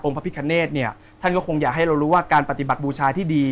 พระพิคเนธเนี่ยท่านก็คงอยากให้เรารู้ว่าการปฏิบัติบูชาที่ดี